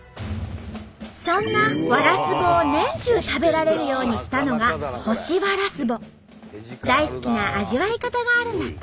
そんなワラスボを年中食べられるようにしたのが大好きな味わい方があるんだって。